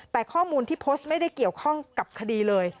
แต่ข้อมูลที่โพสต์ไม่ได้เกี่ยวข้องกับคดีเลย